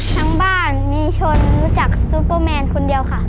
ทั้งบ้านมีชนรู้จักซูเปอร์แมนคนเดียวค่ะ